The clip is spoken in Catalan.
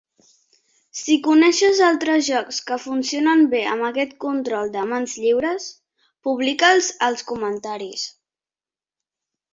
Si coneixes altres jocs que funcionen bé amb aquest control de mans lliures, publica'ls als comentaris.